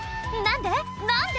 何で？